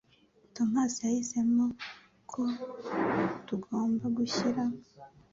Tomasi yahisemo ko tugomba gushyira